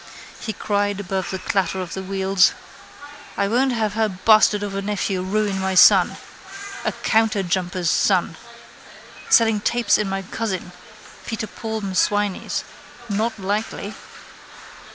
He cried above the clatter of the wheels: —I won't have her bastard of a nephew ruin my son. A counterjumper's son. Selling tapes in my cousin, Peter Paul M'Swiney's. Not likely.